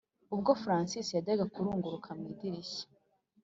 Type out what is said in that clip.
ubwo francis yajyaga kurunguruka mwidirisha